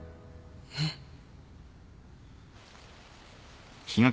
えっ？